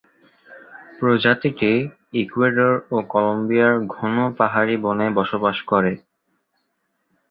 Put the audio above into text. প্রজাতিটি ইকুয়েডর ও কলম্বিয়ার ঘন পাহাড়ি বনে বসবাস করে।